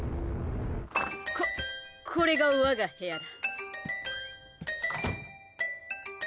ここれが我が部屋だ。